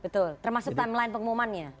termasuk timeline pengumumannya